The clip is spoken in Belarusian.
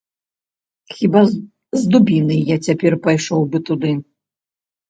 Хіба з дубінай я цяпер пайшоў бы туды.